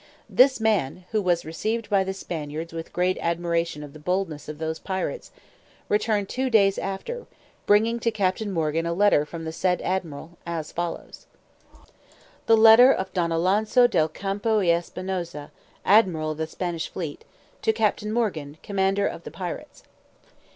This man (who was received by the Spaniards with great admiration of the boldness of those pirates) returned two days after, bringing to Captain Morgan a letter from the said admiral, as follows: _The Letter of Don Alonso del Campo y Espinosa, Admiral of the Spanish Fleet, to Captain Morgan, Commander of the Pirates.